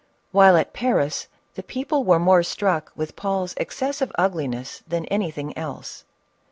While at Paris, the people were more struck with Paul's ex cessive ugliness than anything else.